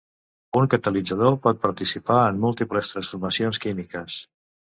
Un catalitzador pot participar en múltiples transformacions químiques.